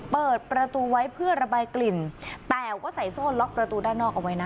เปิดประตูไว้เพื่อระบายกลิ่นแต่ว่าใส่โซ่ล็อกประตูด้านนอกเอาไว้นะ